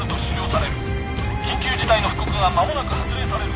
緊急事態の布告が間もなく発令される。